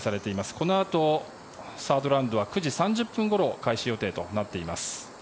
このあと、サードラウンドは９時３０分ごろ開始予定となっています。